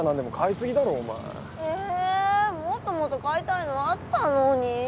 もっともっと買いたいのあったのに。